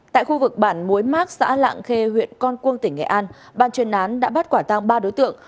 tại khu vực bản mối mác xã lạng khê huyện con cuông tỉnh nghệ an ban chuyên án đã bắt quả tang ba đối tượng